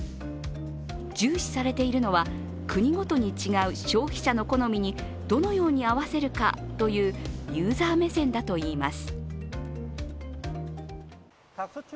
重視されているのは国ごとに違う消費者の好みにどのように合わせるかというユーザー目線だといいます。